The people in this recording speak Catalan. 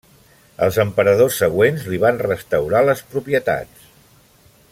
Els emperadors següents li van restaurar les propietats.